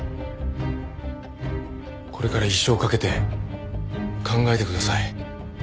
これから一生かけて考えてください。